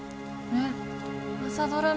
えっ？